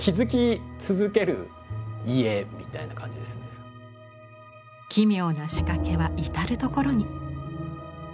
やっぱ奇妙な仕掛けは至る所に。